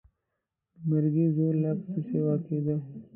د مرګي زور لا پسې سیوا کېده.